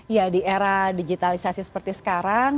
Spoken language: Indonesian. ya di era digitalisasi seperti sekarang